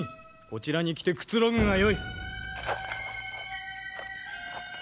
こちらに来てくつろぐがよい。